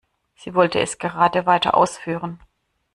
Sie wollte es gerade weiter ausführen.